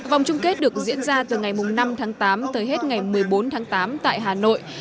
vòng chung kết được diễn ra từ ngày năm tháng tám tới hết ngày một mươi bốn tháng tám tại hà nội